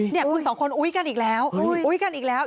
เนี่ยคุณสองคนอุ๊ยกันอีกแล้วอุ๊ยกันอีกแล้ว